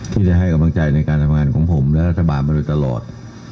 ที่จะให้กำลังใจในการทำงานของผมและรัฐบาลมาโดยตลอด